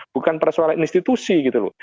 bukan persoalan institusi gitu loh